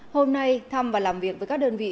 hôm nay thăm và làm việc với các đơn vị